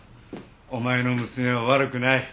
お前の娘は悪くない。